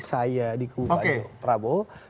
saya di kubu pak prabowo